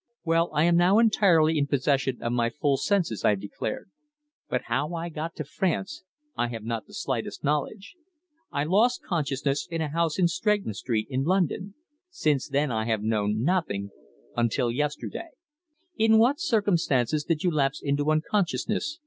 "Well, I am now entirely in possession of my full senses," I declared. "But how I got to France I have not the slightest knowledge. I lost consciousness in a house in Stretton Street, in London. Since then I have known nothing until yesterday." "In what circumstances did you lapse into unconsciousness?"